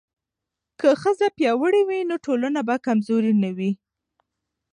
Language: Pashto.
که ښځې پیاوړې وي نو ټولنه به کمزورې نه وي.